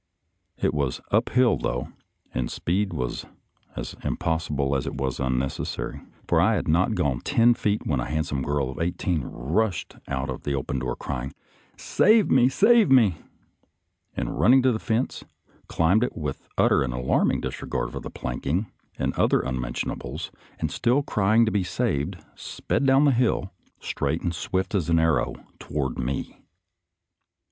It was up hill, though, and speed was as impossible as it was unnecessary, for I had not gone ten feet when a handsome girl of eighteen rushed out of the open door crying, " Save me, save me !" and running to the fence, climbed it with utter and alarming disregard for the plank ing and other unmentionables, and still crying to be saved, sped down the hill, straight and swift as an arrow, toward me.